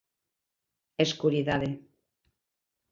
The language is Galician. Escuridade.